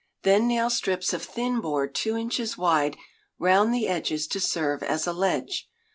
Then nail strips of thin board two inches wide round the edges to serve as a ledge.